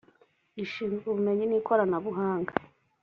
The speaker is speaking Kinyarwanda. ishinzwe ubumenyi n ikoranabuhanga